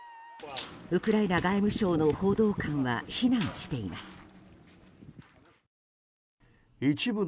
ウクライナ外務省の報道官は非難しています。